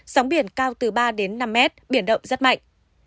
sóng biển cao từ ba đến năm mét biển động rất mạnh